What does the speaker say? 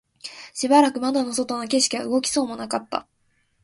しばらく窓の外の景色は動きそうもなかった